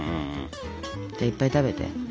じゃあいっぱい食べて。